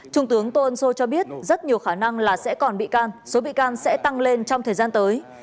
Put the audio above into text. trung tướng tô ân sô cho biết rất nhiều khả năng là sẽ còn bị can số bị can sẽ tăng lên trong thời gian tới